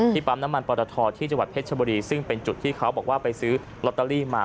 ปั๊มน้ำมันปรทที่จังหวัดเพชรชบุรีซึ่งเป็นจุดที่เขาบอกว่าไปซื้อลอตเตอรี่มา